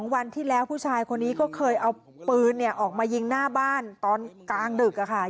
วันที่แล้วผู้ชายคนนี้ก็เคยเอาปืนออกมายิงหน้าบ้านตอนกลางดึกค่ะ